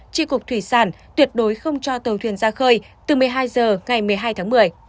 tri cục thủy sản tuyệt đối không cho tàu thuyền ra khơi từ một mươi hai h ngày một mươi hai tháng một mươi